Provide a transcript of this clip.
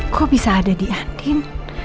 kok bisa ada di atin